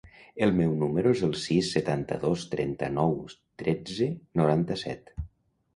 El meu número es el sis, setanta-dos, trenta-nou, tretze, noranta-set.